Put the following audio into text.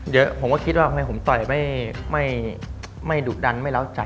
เยอะผมก็คิดว่าทำไมผมต่อยไม่ดุดันไม่เล้าจัด